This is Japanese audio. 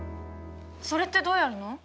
それってどうやるの？